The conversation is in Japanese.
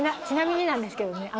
ちなみになんですけどね。